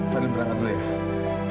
fadil berangkat dulu ya